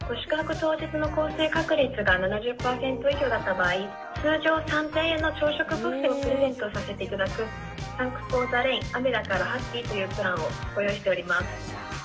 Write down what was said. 当日の降水確率が７０％以上だった場合、通常３０００円の朝食ブッフェをプレゼントさせていただく、サンクス・フォー・ザ・レイン、雨だからハッピー！というプランをご用意しています。